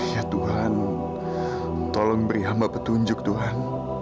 ya tuhan tolong beri hamba petunjuk tuhan